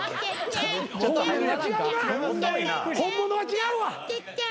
本物は違うなぁ。